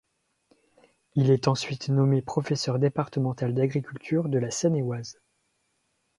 Il est ensuite nommé professeur départemental d'agriculture de la Seine-et-Oise.